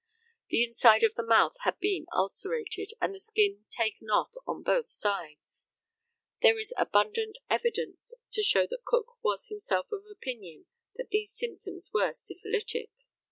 The inside of the mouth had been ulcerated, and the skin taken off on both sides. There is abundant evidence to show that Cook was himself of opinion that these symptoms were syphilitic.